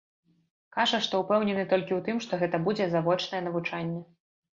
Кажа, што ўпэўнены толькі ў тым, што гэта будзе завочнае навучанне.